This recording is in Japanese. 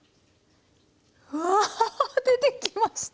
うわあ！出てきました。